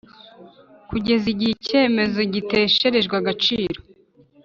kugeza igihe icyemezo gitesherejwe agaciro.